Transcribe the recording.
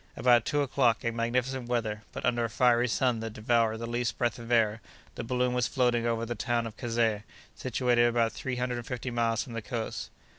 About two o'clock, in magnificent weather, but under a fiery sun that devoured the least breath of air, the balloon was floating over the town of Kazeh, situated about three hundred and fifty miles from the coast.